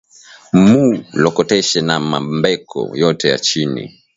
Mu lokoteshe na ma mbeko yote ya chini